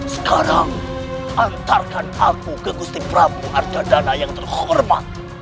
sekarang antarkan aku ke gusti prabu ardha dana yang terhormat